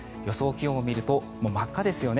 気温を見るともう真っ赤ですよね。